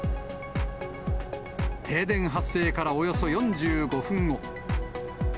停電発生からおよそ４５分後。